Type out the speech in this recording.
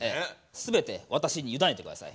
全て私に委ねて下さい。